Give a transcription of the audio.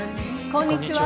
こんにちは。